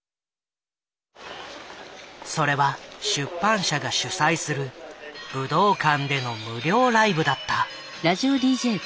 それは出版社が主催する武道館での無料ライブだった。